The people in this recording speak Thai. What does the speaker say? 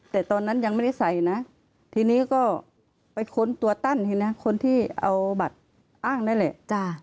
แต่ตอนนั้นยังไม่ได้ใส่นะทีนี้ก็ไปค้นตัวตั้นเห็นไหมคนที่เอาบัตรอ้างนั่นแหละ